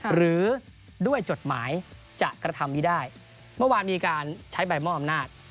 หรือด้วยจดหมายจะกระทำนี้ได้เมื่อวานมีการใช้ใบมอบอำนาจ